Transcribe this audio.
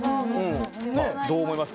どう思いますか？